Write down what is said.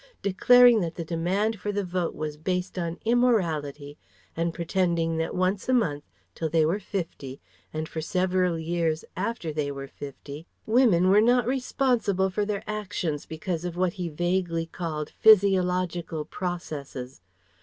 Declaring that the demand for the Vote was based on immorality, and pretending that once a month, till they were fifty, and for several years after they were fifty, women were not responsible for their actions, because of what he vaguely called 'physiological processes.'